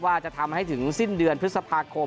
ว่าจะทำให้ถึงสิ้นเดือนพฤษภาคม